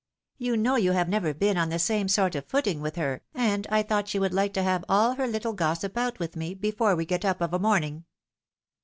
You know you have never been on the same sort of footing with her, and I thought she would like to have aU her httle gossip out with me, before we get up of a morning."